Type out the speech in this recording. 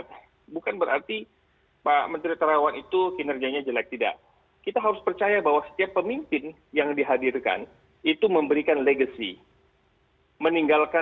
terima kasih pak bung